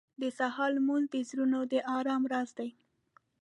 • د سهار لمونځ د زړونو د ارام راز دی.